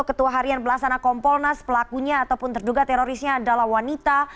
ketua harian belasana kompolnas pelakunya ataupun terduga terorisnya adalah wanita